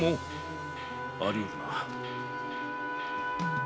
あり得るな。